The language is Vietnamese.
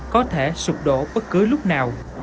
có thể sụp đổ bất cứ lúc nào